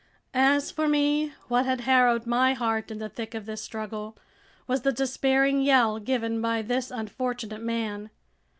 As for me, what had harrowed my heart in the thick of this struggle was the despairing yell given by this unfortunate man.